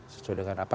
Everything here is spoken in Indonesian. sesuai dengan apa